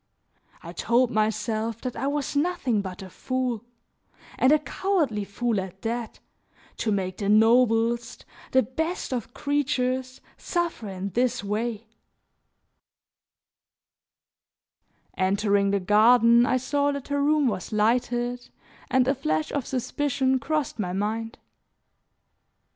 I told myself that I was nothing but a fool, and a cowardly fool at that, to make the noblest, the best of creatures, suffer in this way. I ran to her to throw myself at her feet. Entering the garden, I saw that her room was lighted and a flash of suspicion crossed my mind.